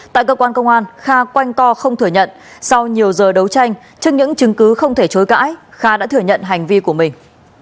tại cơ quan công an kha quanh co không thừa nhận sau nhiều giờ đấu tranh trước những chứng cứ không thể chối cãi kha đã thừa nhận hành vi của mình